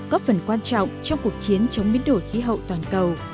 có phần quan trọng trong cuộc chiến chống biến đổi khí hậu toàn cầu